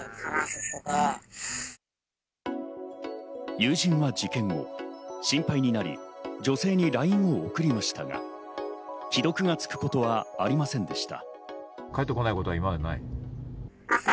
友人は事件後、心配になり女性にＬＩＮＥを送りましたが、既読がつくことはありませんでした。